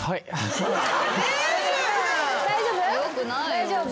大丈夫？